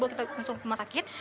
kita bisa mengusung rumah sakit